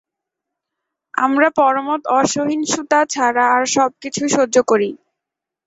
আমরা পরমত-অসহিষ্ণুতা ছাড়া আর সব কিছুই সহ্য করি।